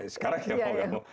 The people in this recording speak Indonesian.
sekarang mau nggak mau